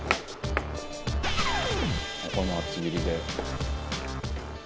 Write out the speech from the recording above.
「これも厚切りで」